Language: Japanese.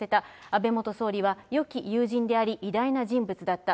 安倍元総理はよき友人であり、偉大な人物だった。